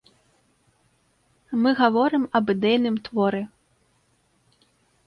Мы гаворым аб ідэйным творы.